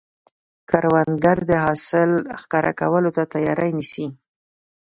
کروندګر د حاصل ښکاره کولو ته تیاری نیسي